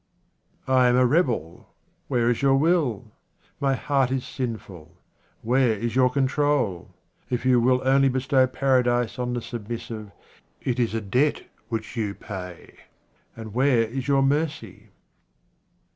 I am a rebel : where is your will ? My heart is sinful : where is your control ? If you will only bestow Paradise on the submissive it is a debt which you pay, and where is your mercy?